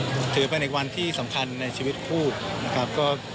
ก็ถือเป็นอีกวันที่สำคัญในชีวิตคู่นะครับ